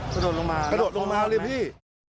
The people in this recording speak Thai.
กระโดดลงมาเลยพี่